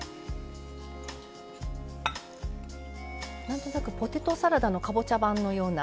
何となくポテトサラダのかぼちゃ版のような。